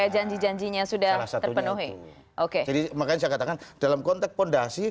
jadi makanya saya katakan dalam konteks fondasi